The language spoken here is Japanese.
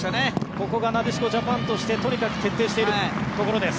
ここがなでしこジャパンとしてとにかく徹底しているところです。